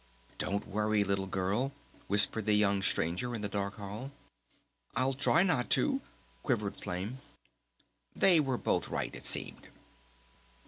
"Don't worry, Little Girl," whispered the young Stranger in the dark hall. "I'll try not to," quivered Flame. They were both right, it seemed.